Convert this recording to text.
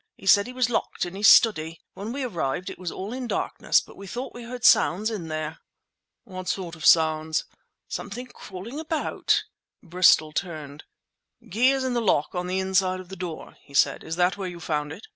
He said he was locked in his study. When we arrived it was all in darkness—but we thought we heard sounds in here." "What sort of sounds?" "Something crawling about!" Bristol turned. "Key is in the lock on the inside of the door," he said. "Is that where you found it?"